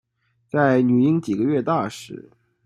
在女婴几个月大时